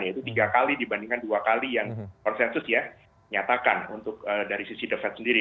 yaitu tiga kali dibandingkan dua kali yang konsensus ya nyatakan untuk dari sisi the fed sendiri